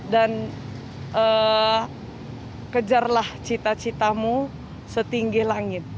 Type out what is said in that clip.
dan kejarlah cita citamu setinggi langit